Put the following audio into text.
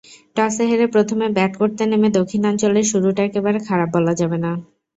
টসে হেরে প্রথমে ব্যাট করতে নেমে দক্ষিণাঞ্চলের শুরুটা একেবারে খারাপ বলা যাবে না।